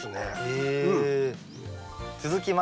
へえ。